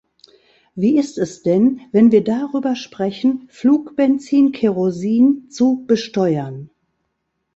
Wie ist es denn, wenn wir darüber sprechen, Flugbenzin Kerosin zu besteuern?